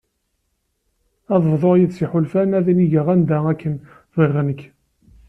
Ad bḍuɣ yides iḥulfan ad innigeɣ anda akken bɣiɣ nekk.